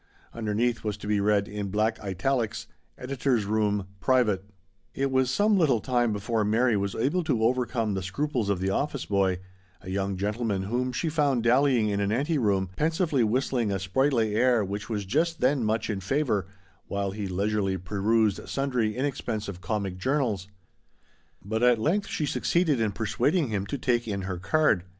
Underneath was to be read, in black italics :" Editor's Room. Private? It was some little time before Mary was able to overcome the scruples of the office boy, a young gentleman whom she found dallying in an ante room, pensively whistling a sprightly air which was just then much in favour, while he leisurely perused sundry in expensive comic journals ; but at length she succeeded in persuading him to take in her card.